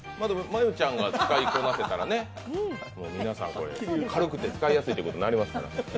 真悠ちゃんが使いこなせたら、皆さん、軽くて使いやすいということになりますから。